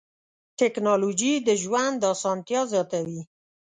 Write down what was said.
ټکنالوجي د ژوند اسانتیا زیاتوي.